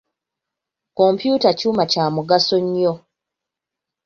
Kompyuta kyuma kya mugaso nnyo.